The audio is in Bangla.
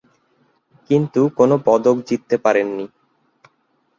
কিন্তু কোন পদক জিততে পারেনি।